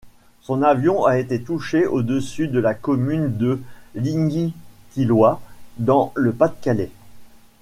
Son avion a été touché au-dessus de la commune de Ligny-Thilloy dans le Pas-de-Calais.